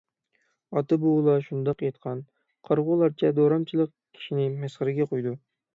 ئاتا - بوۋىلار شۇنداق ئېيتقان: قارىغۇلارچە دورامچىلىق كىشىنى مەسخىرىگە قويىدۇ.